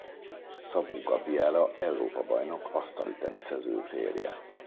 Szabó Gabriella Európa-bajnok asztaliteniszező férje.